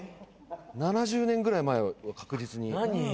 「７０年ぐらい前確実に」